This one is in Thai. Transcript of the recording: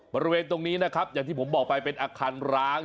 บริเวณตรงนี้นะครับอย่างที่ผมบอกไปเป็นอาคารร้าง